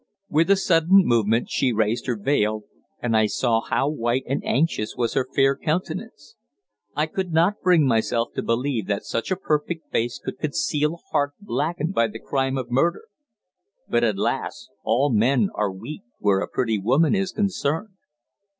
With a sudden movement she raised her veil, and I saw how white and anxious was her fair countenance. I could not bring myself to believe that such a perfect face could conceal a heart blackened by the crime of murder. But, alas! all men are weak where a pretty woman is concerned.